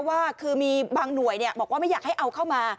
ว่าคือมีบางหน่วยบอกว่าไม่อยากให้เอาเข้ามา